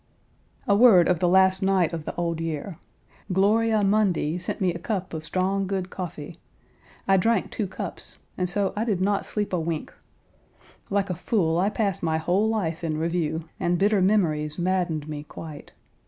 A word of the last night of the old year. "Gloria Mundi" sent me a cup of strong, good coffee. I drank two cups and so I did not sleep a wink. Like a fool I passed my whole life in review, and bitter memories maddened me quite.